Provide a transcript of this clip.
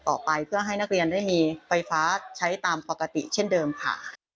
ต่อไปเพื่อให้นักเรียนได้มีไฟฟ้าใช้ตามปกติเช่นเดิมค่ะ